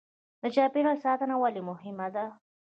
د چاپیریال ساتنه ولې مهمه ده